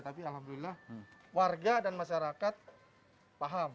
tapi alhamdulillah warga dan masyarakat paham